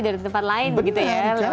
dari tempat lain begitu ya